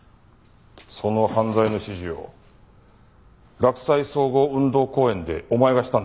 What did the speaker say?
その犯罪の指示を洛西総合運動公園でお前がしたんだな？